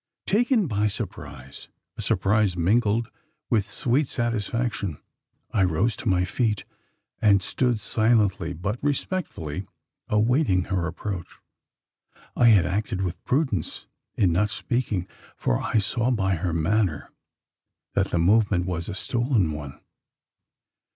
Taken by surprise a surprise mingled with sweet satisfaction I rose to my feet; and stood silently but respectfully awaiting her approach. I had acted with prudence in not speaking: for I saw by her manner that the movement was a stolen one.